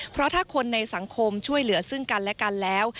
เพราะถ้าคนในสังคมช่วยเหลือซึ่งกันและกันแล้ว